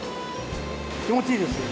気持ちいいですよ。